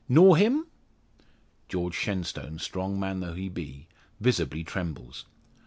Knaw him?" George Shenstone, strong man though he be, visibly trembles.